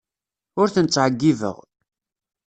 Ur ten-ttɛeyyibeɣ.